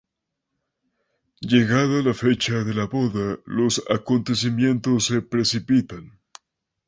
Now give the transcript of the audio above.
Llegada la fecha de la boda, los acontecimientos se precipitan.